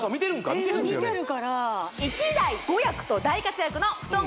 見てるから１台５役と大活躍のふとん